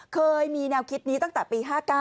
เคยมีแนวคิดนี้ตั้งแต่ปี๕๙